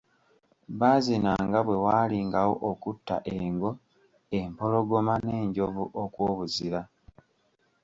Baazinanga bwe waalingawo okutta engo, empologoma n'enjovu okw'obuzira.